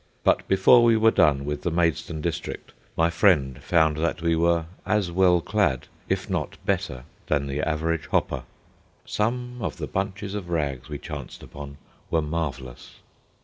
But before we were done with the Maidstone district my friend found that we were as well clad, if not better, than the average hopper. Some of the bunches of rags we chanced upon were marvellous.